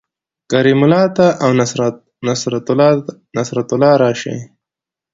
کریم الله ته او نصرت الله راشئ